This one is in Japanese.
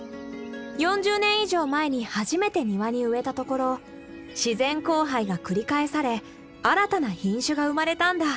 ４０年以上前に初めて庭に植えたところ自然交配が繰り返され新たな品種が生まれたんだ。